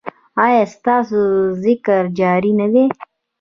ایا ستاسو ذکر جاری نه دی؟